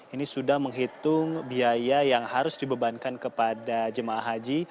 ini sudah menghitung biaya yang harus dibebankan kepada jemaah haji